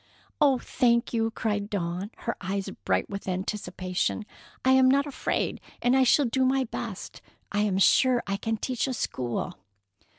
"Oh, thank you!" cried Dawn, her eyes bright with anticipation. "I am not afraid, and I shall do my best. I am sure I can teach a school."